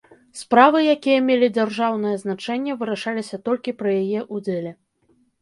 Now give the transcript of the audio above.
Справы, якія мелі дзяржаўнае значэнне, вырашаліся толькі пры яе ўдзеле.